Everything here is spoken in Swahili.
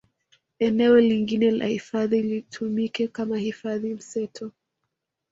Eneo lingine la hifadhi litumike kama hifadhi mseto